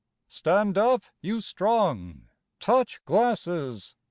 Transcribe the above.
Stand up, you Strong! Touch glasses!